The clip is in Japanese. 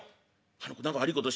「あの子何か悪いことしたの？」。